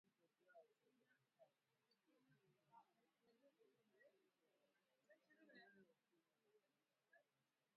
kupinga uwamjuzi huo na kuwataka kujitokeza katika uchaguzi